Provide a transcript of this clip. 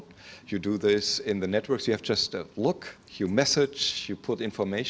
anda melakukan ini di jaringan anda hanya melihat anda menghantar pesan anda menemukan informasi